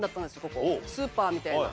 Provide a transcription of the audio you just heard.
ここスーパーみたいな。